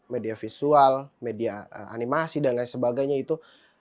media visual media animasi dan lain sebagainya itu